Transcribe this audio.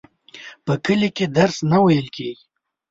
په کلي کي درس نه وویل کیږي.